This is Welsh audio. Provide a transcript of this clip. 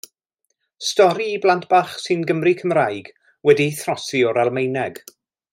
Stori i blant bach sy'n Gymry Cymraeg, wedi'i throsi o'r Almaeneg.